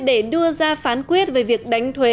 để đưa ra phán quyết về việc đánh thuế